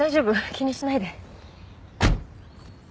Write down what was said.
気にしないで。